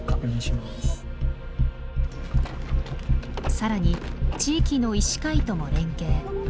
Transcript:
更に地域の医師会とも連携。